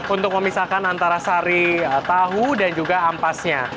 untuk memisahkan antara sari tahu dan juga ampasnya